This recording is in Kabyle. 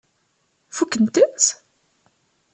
Fukkent-tt?